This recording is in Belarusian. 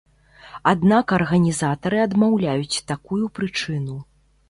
Аднак арганізатары адмаўляюць такую прычыну.